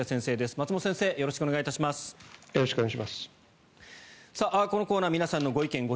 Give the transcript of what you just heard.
松本先生よろしくお願いします。